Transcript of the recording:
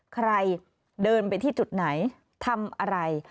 ใครเดินไปที่จุดไหนทำอะไร